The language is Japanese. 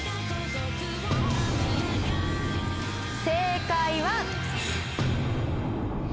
正解は。